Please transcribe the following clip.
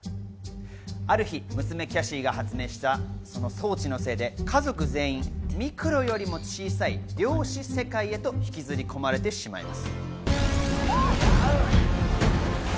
ある日、娘・キャシーが発明したその装置のせいで、家族全員ミクロよりも小さい量子世界へと引きずり込まれてしまいます。